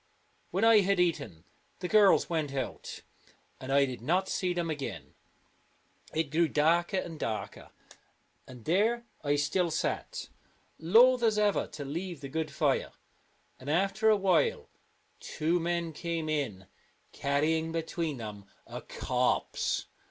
When I had eaten, the girls went out, and I did not see them again. It grew darker and darker, and there I still sat, loath as ever to leave the good fire, and after a while two men came in, carrying between them a corpse.